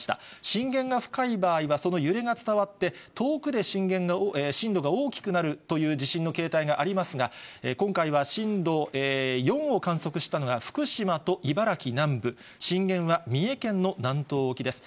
震源が深い場合は、その揺れが伝わって、遠くで震度が大きくなるという地震の形態がありますが、今回は震度４を観測したのが福島と茨城南部、震源は三重県の南東沖です。